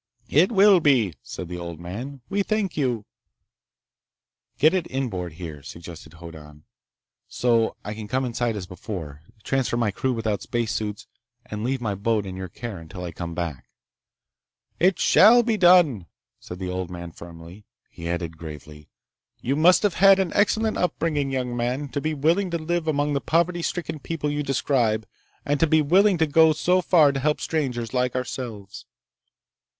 "It will be," said the old man. "We thank you—" "Get it inboard, here," suggested Hoddan, "so I can come inside as before, transfer my crew without spacesuits, and leave my boat in your care until I come back." "It shall be done," said the old man firmly. He added gravely: "You must have had an excellent upbringing, young man, to be willing to live among the poverty stricken people you describe, and to be willing to go so far to help strangers like ourselves."